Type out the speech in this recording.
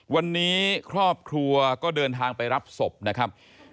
วันนี้ครอบครัวก็เดินทางไปรับศพนะครับ